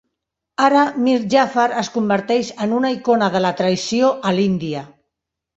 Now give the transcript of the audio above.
Ara Mir Jafar es converteix en una icona de la traïció a l'Índia.